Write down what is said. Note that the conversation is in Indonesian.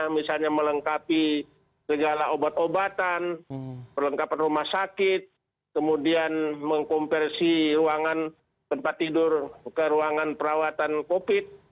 misalnya melengkapi segala obat obatan perlengkapan rumah sakit kemudian mengkompersi ruangan tempat tidur ke ruangan perawatan covid